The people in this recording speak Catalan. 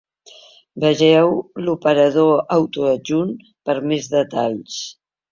Vegeu l'operador autoadjunt per més detalls.